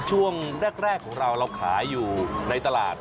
ช่วงแรกของเราเราขายอยู่ในตลาด